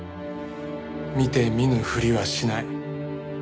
見て見ぬふりはしない。